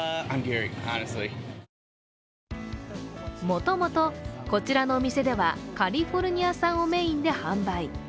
もともと、こちらのお店ではカリフォルニア産をメインで販売。